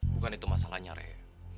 bukan itu masalahnya rey